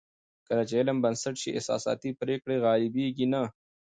کله چې علم بنسټ شي، احساساتي پرېکړې غالبېږي نه.